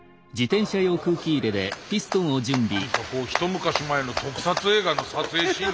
何かこう一昔前の特撮映画の撮影シーンですね。